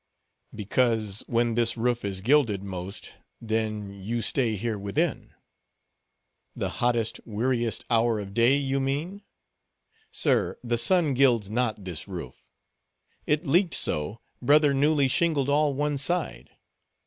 "Because when this roof is gilded most, then you stay here within." "The hottest, weariest hour of day, you mean? Sir, the sun gilds not this roof. It leaked so, brother newly shingled all one side.